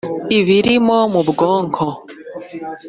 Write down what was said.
ibiremo mu bwonko